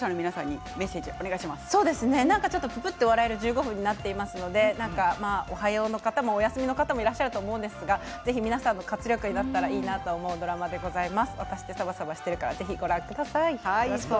クスッと笑えるドラマになっていますのでおはようの方もお休みの方もいらっしゃると思いますが皆さんの活力になったらいいなと思うドラマです。